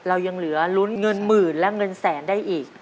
เรายังเหลือลุ้นเงินหมื่นและเงินแสนได้อีก